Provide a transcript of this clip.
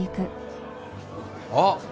あっ！